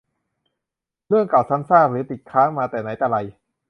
เรื่องเก่าซ้ำซาก หรือติดค้างมาแต่ไหนแต่ไร